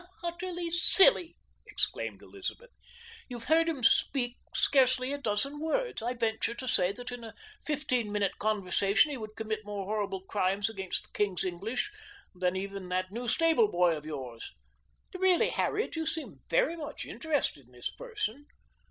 "How utterly silly," exclaimed Elizabeth. "You've heard him speak scarcely a dozen words. I venture to say that in a fifteen minute conversation he would commit more horrible crimes against the king's English than even that new stable boy of yours. Really, Harriet, you seem very much interested in this person."